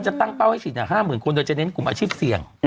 ตั้งเป้าให้ฉีด๕๐๐๐คนโดยจะเน้นกลุ่มอาชีพเสี่ยง